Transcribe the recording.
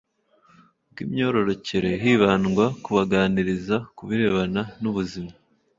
bw imyororokere hibandwa ku kubaganiriza ku birebana n ubuzima